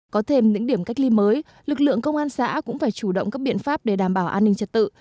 có thêm những điểm cách ly mới lực lượng công an xã cũng phải chủ động các biện pháp để đảm bảo an ninh trật tự